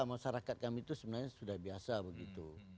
masyarakat kami itu sebenarnya sudah biasa begitu